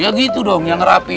ya gitu dong yang rapi